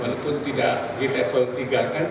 walaupun tidak di level tiga kan